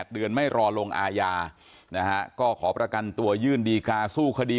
เดือนไม่รอ่อลงอายาขอประกันตัวยื่นดีการสู้คดี